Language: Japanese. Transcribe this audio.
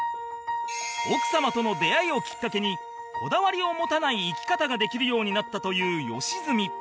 奥様との出会いをきっかけにこだわりを持たない生き方ができるようになったという良純